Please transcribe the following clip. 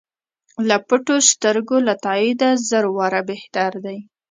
له پټو سترګو له تاییده زر واره بهتر دی.